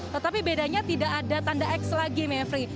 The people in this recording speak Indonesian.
tetapi bedanya tidak ada tanda x lagi mevri